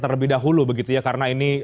terlebih dahulu begitu ya karena ini